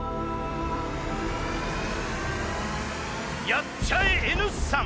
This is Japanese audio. やっちゃえＮ産。